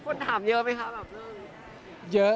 คุณถามเยอะไหมครับเรื่อง